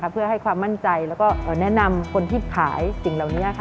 เพื่อให้ความมั่นใจแล้วก็แนะนำคนที่ขายสิ่งเหล่านี้